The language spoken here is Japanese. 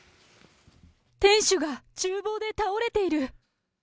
店主がちゅう房で倒れている。